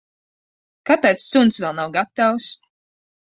Kāpēc suns vēl nav gatavs?